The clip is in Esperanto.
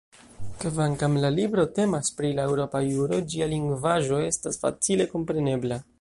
Kvankam la libro temas pri la eŭropa juro, ĝia lingvaĵo estas facile komprenebla.